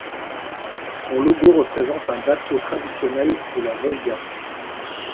Son logo représente un bateau traditionnel de la Volga.